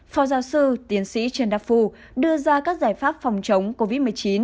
phó giáo sư tiến sĩ trần đắc phu đưa ra các giải pháp phòng chống covid một mươi chín